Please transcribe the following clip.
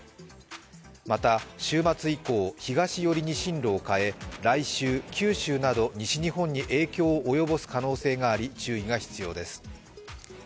また週末以降東寄りに進路を変え来週、九州など西日本に影響を及ぼす可能性があり注意が必要です。